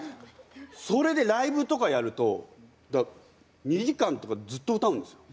それでライブとかやると２時間とかずっと歌うんですよ。